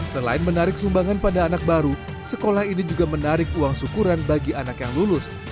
selain menarik sumbangan pada anak baru sekolah ini juga menarik uang syukuran bagi anak yang lulus